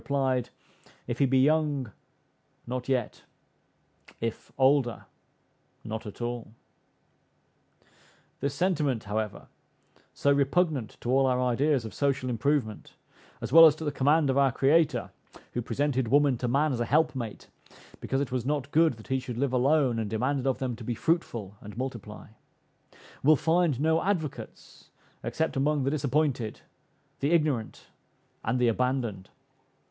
replied, "If he be young, not yet; if older, not at all." This sentiment however, so repugnant to all our ideas of social improvement, as well as to the command of our Creator, who presented woman to man as a helpmate, because it was not good that he should live alone, and demanded of them to "be fruitful and multiply," will find no advocates except among the disappointed, the ignorant, and the abandoned.